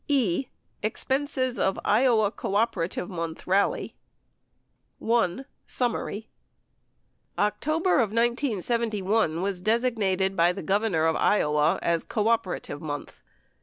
42 E. Expenses op Iowa Cooperative Month Rally i. summary October of 1971 was designated by the Governor of Iowa as Coop erative Month.